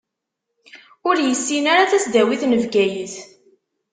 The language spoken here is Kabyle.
Ur yessin ara tasdawit n Bgayet.